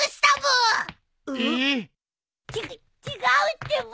ちが違うってば！